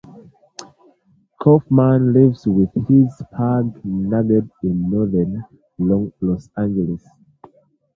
Kaufman lives with his puggle Nugget in northern Los Angeles.